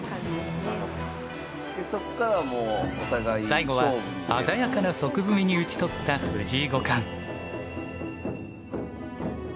最後は鮮やかな即詰みに討ち取った藤井五冠。